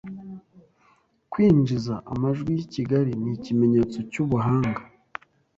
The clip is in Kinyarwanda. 'Kwinjiza amajwi yikigali nikimenyetso cyubuhanga